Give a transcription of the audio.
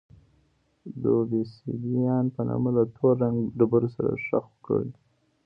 د اوبسیدیان په نامه له تور رنګه ډبرو سره ښخ کړي.